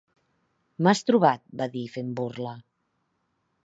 "M'has trobat!" va dir, fent burla.